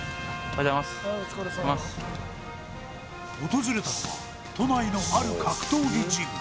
訪れたのは都内のある格闘技ジム